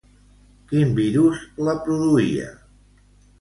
Quin virus la produïa?